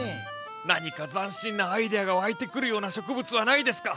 何か斬新なアイデアが湧いてくるような植物はないですか？